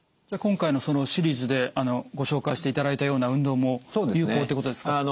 じゃあ今回のシリーズでご紹介していただいたような運動も有効ってことですか？